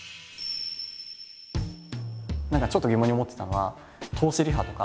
何かちょっと疑問に思ってたのは通しリハとかやるんですか？